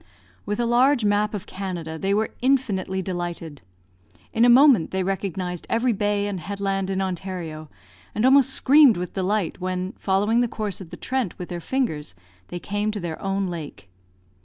With a large map of Canada, they were infinitely delighted. In a moment they recognised every bay and headland in Ontario, and almost screamed with delight when, following the course of the Trent with their fingers, they came to their own lake.